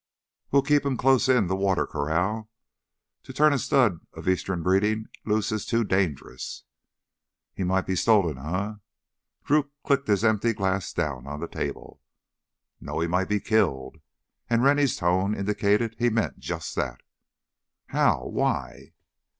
"We'll keep him close in the water corral. To turn a stud of eastern breeding loose is dangerous——" "You mean he might be stolen, suh?" Drew clicked his empty glass down on the table. "No, he might be killed!" And Rennie's tone indicated he meant just that. "How...why?"